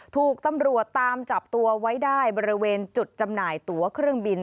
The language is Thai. ถูกตำรวจตามจับตัวไว้ได้บริเวณจุดจำหน่ายตัวเครื่องบิน